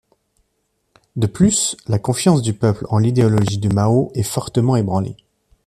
De plus, la confiance du peuple en l’idéologie de Mao est fortement ébranlée.